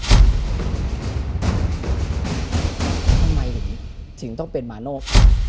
ทำไมถึงต้องเป็นมาโนธ